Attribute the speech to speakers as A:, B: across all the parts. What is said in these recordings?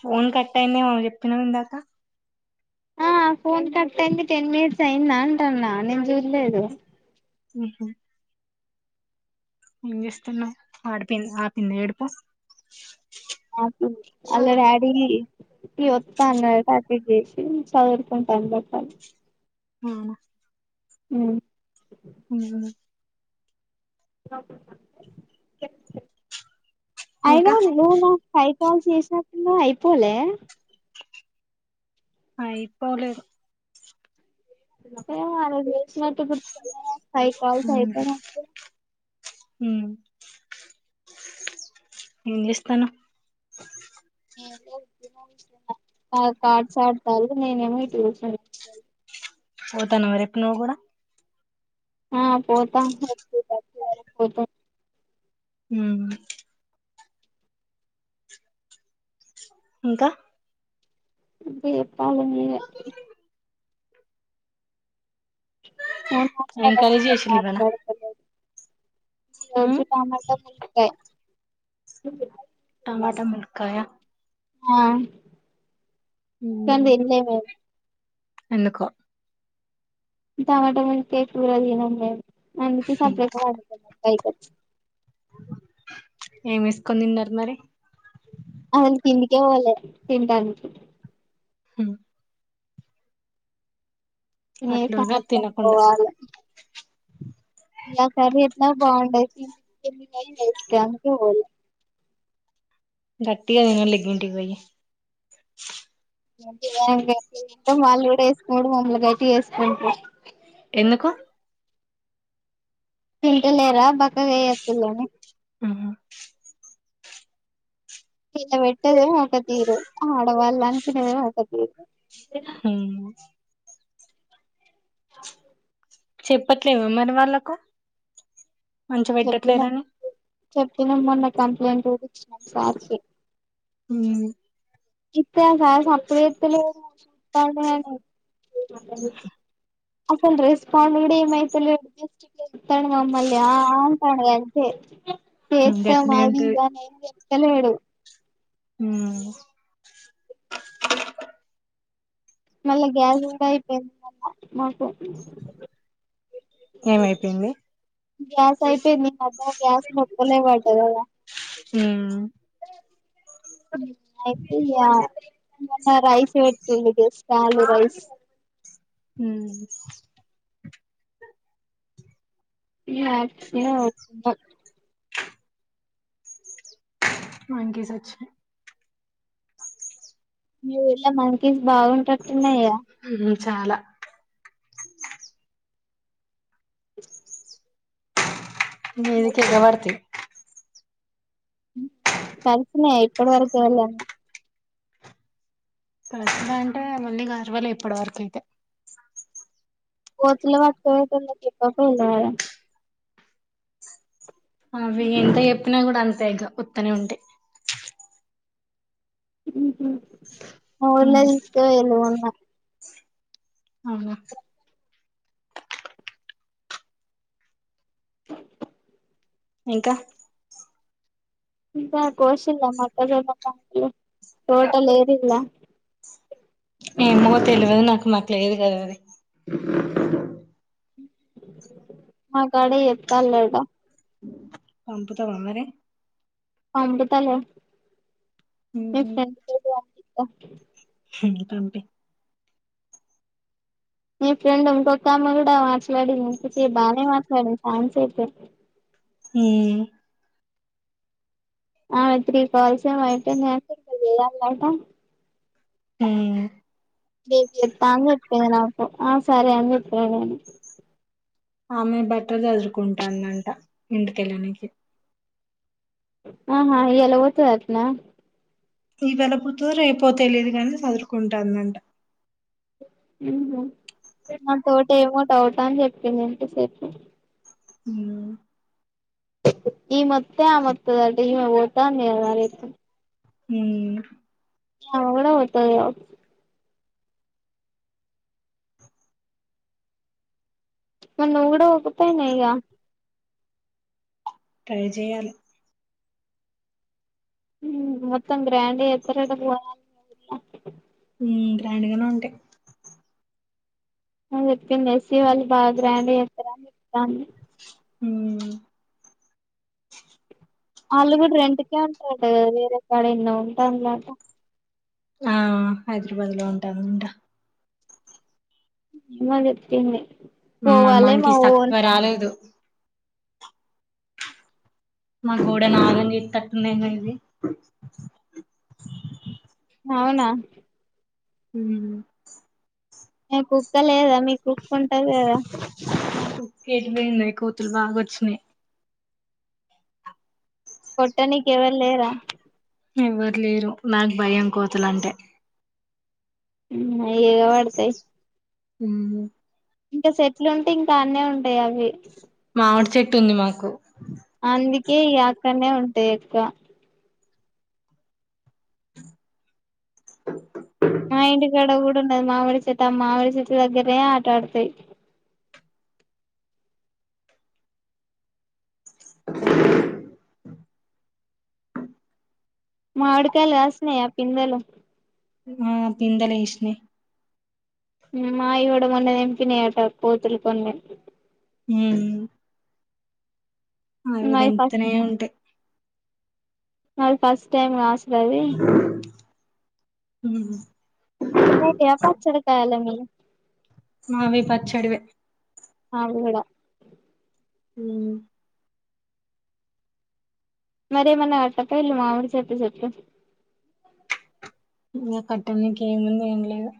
A: Phone cut అయిందేవో జెపినవ్ ఇందాక
B: ఆ ఫోన్ కటైంది. టెన్ మినెట్స్ అయిందా అంటానా నేన్ జుడలేదు
A: ఉహుహ్ ఏం జేస్తున్నావ్ ఆడిపిన్ ఆపిందా ఏడుపు
B: ఆపింది. అలా డాడీ కీ వత్తానాడ్ అట్ ఇట్ జేచ్చి సాధురకున్ పన్లో పని
A: అవునా
B: ఉహుహ్
A: ఉ
B: అయిన
A: ఇంకా
B: ను హైట్ కల్ చేస నట్టు ఉన్నవ్ అయిపోలే
A: ఐ పోలే
B: [unintelligible] అయితే [unintelligible]
A: ఉమ్ ఏం చేస్తనవు
B: కాడ్స్ ఆడతారు నేనేమో ఇటు
A: పోతన్నవ మరి నువ్వు కుడా
B: ఆ పోతాం పోతాం
A: ఉమ్ ఇంకా
B: చెప్పాలి మీరే ఫోన్
A: కర్రీ
B: మాట్లాడండి ఏం
A: చేసిల్లు ఇవాళ
B: మాట్లాడకోలేదు ఈ రోజు టమాటా ముల్కాయ
A: టమాటా మల్కాయా
B: ఆ కానీ తినలే మేము
A: ఎందుకో
B: టమాటా ములక్కాయ కూర తినం మేము అందుకే సప్పుడేక వాడుకున్నాం పైకి వచ్చి
A: ఏంఏసుకొని తిన్నారు మరి
B: అసలు కిందికే పోలే తింటానికి
A: ఉమ్
B: ఏ
A: అట్లున్న
B: సాయంత్రం
A: తినకుండా
B: ఈగ ఆ కర్రీ ఎట్లా బాగుండదు కిందికిపోయే వెస్ట్ అందుకే పోలే
A: గట్టిగా తినాలి ఇంటికి పోయి
B: [unintelligible] వాళ్ళు కూడా వేసుకోడు మమ్మని గట్టి [unintelligible]
A: ఎందుకు
B: తింటలేరా బక్క అయ్యి వచ్చిళ్ళు అనీ
A: ఉమ్
B: ఇద పెట్టేది ఒకతీరు ఆడ వాళ్ళు అనుకునేది ఒక తీరు
A: హ
B: అ
A: చెప్పట్లేవా మరి వాళ్ళకు మంచిగా
B: చెప్పిన
A: పెట్టట్లేరని
B: చెప్పిన మొన్న కంప్లైంట్ కూడా ఇచ్చినాం సార్కి
A: ఉ
B: ఇప్పుడూ ఆ సారు సప్పుడు చేస్తలేరు చూస్తాడు గాని అసలు రెస్పాం గుడ ఏం అయిత లేదు జస్ట్ చూసి ఆ ఆ అంటాడు అంతె చేస్తా
A: గట్నే ఉంటది
B: మాదిగా ఏమ్ చెప్తా లేదు
A: ఉమ్
B: మళ్ళా గ్యాస్గూడా అయిపోయింది మాకు
A: ఏమైపోయింది
B: గ్యాస్ అయిపోయిది న అ గ్యాస్ మొక్కలే [unintelligible]
A: ఉమ్
B: అయితే రైస్ పెట్టిండు జస్ట్ ఆలు రైస్
A: ఉమ్
B: [unintelligible]
A: మంక్ఎస్ వచినయ్
B: మీ ఊళ్ళ మంకిన్స్ బాగుంటట్టున్నాయా
A: ఉమ్, చాలా నెన్ ఇకా ఎగ బర్తి
B: కరిసినయ ఇప్పుడు వరకు [unintelligible] ళ్ళన్న
A: కార్సినయ్ అంటే మళ్ళీ గర్వల ఇప్పటి వరకు అయితే
B: పోచ్చలు వాట్క కప్ప పళ్ళ
A: అవి ఎంత చెప్పినా కూడా అంతే పత్తనే ఉంటే
B: ఊర్ళ
A: ఉహు
B: తీసుకో [unintelligible] ఉన్నా
A: అవు ఇంకా
B: ఇకా కోశల్ మక్క టోటల్ ఏరిలా
A: న మ తెలివదు నాకు మాకు లేదు కదా అది
B: మా కడ ఎత లేట
A: పంపుతావాన్నరే
B: అబతా
A: ఉహు
B: [unintelligible]
A: అంటే
B: మీ ఫ్రెండ్ ఇంకొక అమ్మ కూడా మాట్లాడింది ఇంక బాగానే మాట్లాడింది ఛాన్స్ అయితే
A: హు
B: [unintelligible]
A: [unintelligible]
B: చెప్ అని చెప్ప నాకు ఆ సరే అని చెప్ప నేను
A: ఆమె బట్టర్ చదురుకుంటాందంట ఇంటిక వెళ్ళనికి
B: ఆహా ఇలా వతున్నా
A: ఈ వెళ పతుందో రేపోతే లేదు కానీ చదురుకుంటుందంట
B: నా తోట ఏమో డౌట అని చెప్పింది ఏంతసేపు
A: ఉమ్
B: ఈ మత్తే ఆ మత్తద ఓతా
A: హ
B: [unintelligible] మరి నువ్వు కూడ ఒక్కదనివే గ
A: ట్రై చేయాలి
B: మత్తం గ్రాండ [unintelligible]
A: గ్రాండ్గానే ఉంటాయి
B: చెప్పతుంది ఎస్సి వాళ్ళు బాగా గ్రాండ్ [unintelligible]
A: హు
B: వాళ్ళు కూడ రెంట్కే ఉంటారు కదా వేరే కాడ ఎన్నో ఉంటాంలాంట
A: ఆ హైదరాబాద్ లో ఉంటారాంట
B: [unintelligible] పోవాలే మా
A: అమ్మకి
B: ఓన్
A: తక్కువ రాలేదు మా గూడె నాగం చెతట్టుంది ఇది
B: అవునా
A: హు
B: కుక్క లే కదా మీకు కుక్కుంటది కదా
A: కుక్కేటుపోయింది కోతులు బాగా వచ్చినయి
B: కొట్టనీకి ఎవరు లేర
A: ఎవ్వరు లేరు నాకు భయం కోతులంటే
B: ఏగ వాడతాయి
A: హు
B: ఇంకా చెట్లు ఉంటే ఇంకా అన్నే ఉంటాయి అవి
A: ఆవిడ చెట్టు ఉంది మాకు
B: ఏ అక్కనే ఉంటాయి ఎక్కవ మా ఇంటి గడ కూడా ఉన్నది మామిడి చేత ఆ మామిడి చేత్త దగ్గరనే ఆట ఆడతాయి మామిడి కాయలు కాసినయా పిందలు
A: ఆ పింద లేసినాయ్
B: మాయి గూ‌డ మొన్న తెంపినియట కోతులు కొన్ని
A: మ్.. అవి తెంపుతూనే ఉంటాయి
B: మవి ఫస్ట్ టైం కాసినవీ
A: మ్
B: చిన్నయ్యి పచ్చడి కాయలేమొ లె
A: మావి పచ్చడివె
B: మావి గూడ
A: మ్
B: మరి ఏమన అట్టకపోయిల్లు మావిడి చెట్టు చెప్పు
A: అ కట్ట నీకి ఏమున్నాయ్ ఏమిలేదు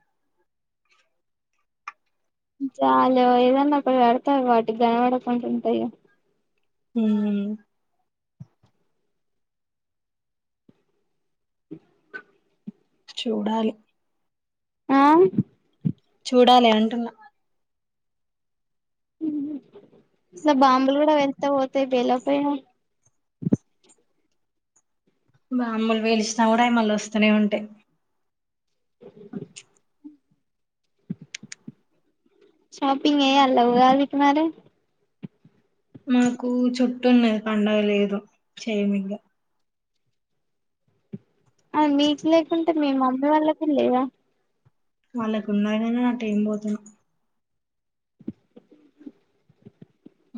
B: చాలు ఏదన్నా ఒకటి పెడతారు వాటికి గనపడకుండుంట అయి
A: మ్ చూడాలి
B: ఆ
A: చూడాలి అంటున్నా
B: ఇలా బాంబులు కూడా వెళ్త పోతాయి పేలకపోయినావా
A: బాంబులు పేల్చిన కూడా అయి మళ్ళా వస్తూనే ఉంటాయి
B: షాపింగ్ ఏ అలా ఉగాదికి మరి
A: మాకు చుట్టున్నది పండగ లేదు చేయమింగ
B: ఆవును మీకు లేకుంటే మీ మమ్మీ వాళ్ళకి లేదా
A: వాళ్ళకు ఉన్నాగానీ నట్ట ఏం పోతాం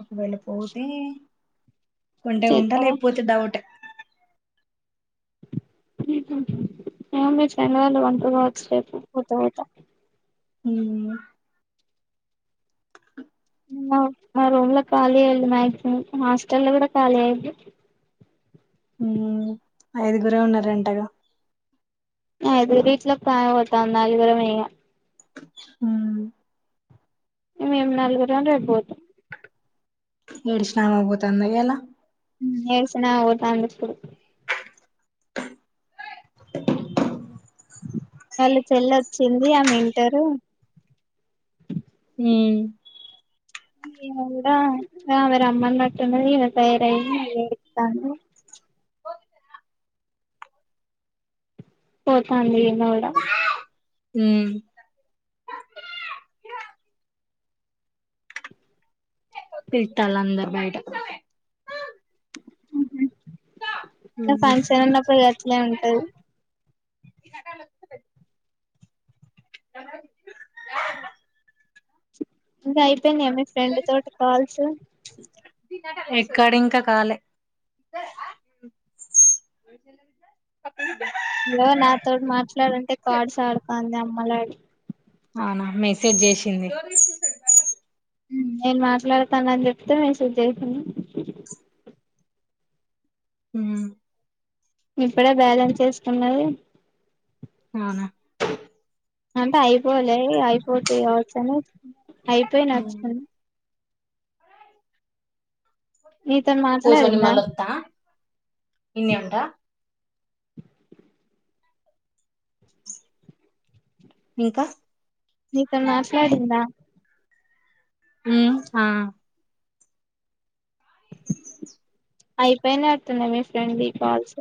A: ఒకవేళ పోతే ఉంటే ఉంట
B: చేత్తవా
A: లేకపోతె డౌట్
B: చ వాళ్ళ వంటచ్చ పో పోత
A: మ్
B: మా రూమ్ లో ఖాళీ అయ్యదు మాక్సిమం హాస్టల్ లో కూడా ఖాళీ అయ్యదు
A: మ్ ఐదుగురే ఉన్నారంటగా
B: ఐదుగురు ఇట్ల [unintelligible] ఐదుగు రుంఇహ
A: మ్
B: మేము నలుగురుం రేప్పోతాం
A: ఏడుష్ణమపోతాంద ఇయ్యాల
B: ఏడి‌సినామ పోతాంది ఇప్పుడు వాళ్ళ చెల్లొచ్చింది ఆమె ఇంటరు
A: మ్
B: ఏమో మళ్ళా ఆమె రమ్మన్నట్టున్నది ఈమె తయారయింది ఏడుత్తంది పోతాంది ఈమె గూడ
A: ఉమ్ పిలుత్తాల అందరు బయట
B: నా
A: ఉహు
B: ఫంక్షన్ ఉన్నప్పుడు గట్లే ఉంటది ఇంక అయిపోయినిఅ మి ఫ్రెండ్ తోటి కాల్స్
A: ఎక్కడ ఇంకా కాలే
B: హ లో నాతోటి మాట్లాడంటే కార్డ్స్ ఆడుతుంది అమ్మలాడి
A: అవునా మెసేజ్ చేసింది
B: నేను మాట్లాడతాను అని చెప్తే మేసేజ్ చే‌సింది
A: ఉమ్
B: ఇప్పుడే బేలెన్స్ చేసుకున్నది
A: అవునా
B: అంటే అయిపోలే అయిపోతే కావచ్చ అని అయిపోయి
A: ఉమ్
B: నచ్చుతుంది నీతోని
A: పూజో
B: మాట్లాడిందా
A: నిమ్మలత్త ఇన్ ఉంట ఇంకా
B: నతను మాట్లాడిందా
A: హ ఆ
B: అయిపోయిన అడుతున్నాయి మీ ఫ్రెండ్ ఈ కాల్స్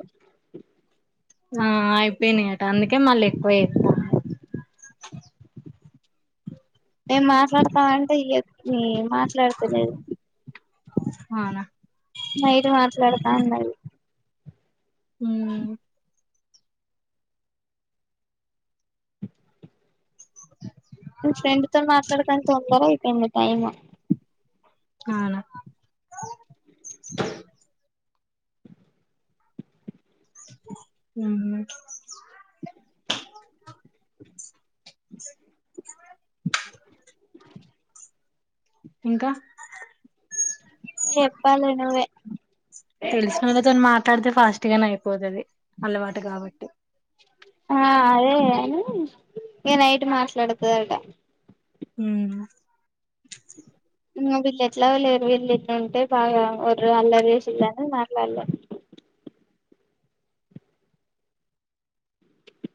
A: ఆ అయిపోయినాయియట అందుకే మళ్ళీ ఎక్కువ ఇస్తా
B: మేం మాట్లాడతాం అంటే మాట్లాడతే లేదు
A: అవునా
B: నైరు మాట్లాడతా ఉన్నాయి
A: హ
B: [unintelligible]
A: అ
B: ఫ్రెండ్ తో మాట్లాడకుని తొందార అయిపోంది టైమ్
A: అవును అ ఇంకా
B: చెప్పాల ను్వే
A: తెలిసినళ్ళతోని మాట్లాడితే ఫాస్ట్ గానే అయిపోతుది అలవాటు కాబట్టి
B: అ ఏ నైట్ మాట్లాడుతుదంట
A: హ
B: వీళ్ళు ఎట్లా లేరు వీళ్ళ ఎట్ ఉంటే బాగా వ అల్ల చేసిదని మరలాలే
A: [unintelligible]